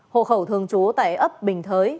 hộ khẩu thường trú tại ấp bình thới